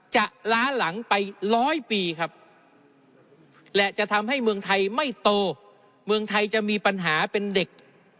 ล้าหลังไปร้อยปีครับและจะทำให้เมืองไทยไม่โตเมืองไทยจะมีปัญหาเป็นเด็ก